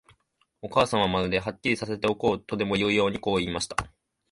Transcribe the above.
お母さんは、まるで、はっきりさせておこうとでもいうように、こう言いました。